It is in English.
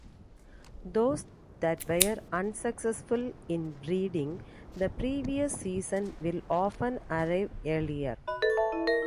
Those that were unsuccessful in breeding the previous season will often arrive earlier.